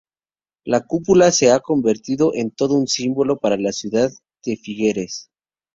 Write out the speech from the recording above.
La cúpula se ha convertido en todo un símbolo para la ciudad de Figueres.